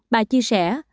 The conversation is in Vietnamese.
bà chia sẻ